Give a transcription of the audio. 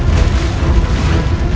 pak man faham